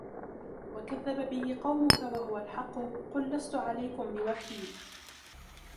وكذب به قومك وهو الحق قل لست عليكم بوكيل